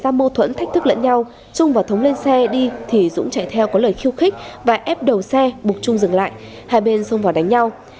hai bên đã xảy ra mâu thuẫn thách thức lẫn nhau trung và thống lên xe đi thì dũng chạy theo có lời khiêu khích và ép đầu xe bục trung dừng lại hai bên xung vào đánh nhau